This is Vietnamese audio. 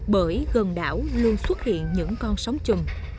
bởi gần đảo luôn xuất hiện những con sóng chùm